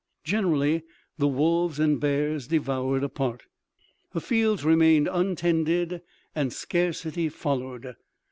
Generally, the wolves and bears devoured a part. The fields remained untended and scarcity followed.